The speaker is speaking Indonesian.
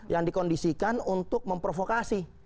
yang dikondisikan untuk memprovokasi